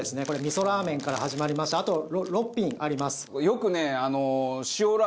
これみそラーメンから始まりましてあと６品あります。